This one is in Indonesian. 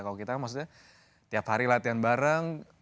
kalau kita maksudnya tiap hari latihan bareng